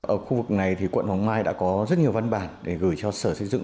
ở khu vực này thì quận hoàng mai đã có rất nhiều văn bản để gửi cho sở xây dựng